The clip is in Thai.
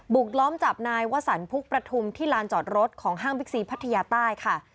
บุกล้อมจับนายวะสันพุกประทุมที่ลานจอดรถของห้างวิทยาศาสตร์ภาษาใต้ค่ะ